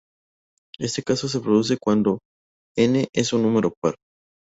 Este caso se produce cuando n es un número par.